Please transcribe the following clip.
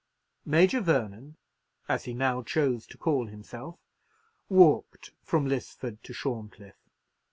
Major Vernon, as he now chose to call himself, walked from Lisford to Shorncliffe.